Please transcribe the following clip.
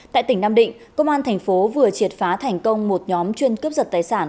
tại tỉnh nam định công an thành phố vừa triệt phá thành công một nhóm chuyên cướp giật tài sản